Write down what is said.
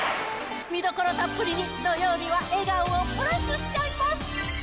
見どころたっぷりに、土曜日は笑顔をプラスしちゃいます。